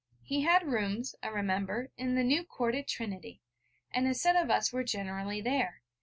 He had rooms, I remember, in the New Court at Trinity, and a set of us were generally there.